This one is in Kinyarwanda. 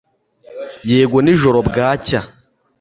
Yego nijoro bwacya